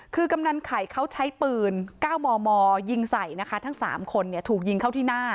คือกำนันไข่เขาใช้ปืน๙มมยิงใส่นะคะทั้ง๓คนถูกยิงเข้าที่หน้า